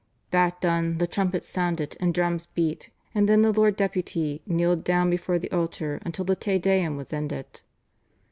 "That done, the trumpets sounded and drums beat, and then the Lord Deputy kneeled down before the altar until the /Te Deum/ was ended."